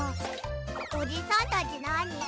おじさんたちなに？